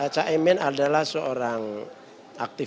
caimin adalah seorang aktivis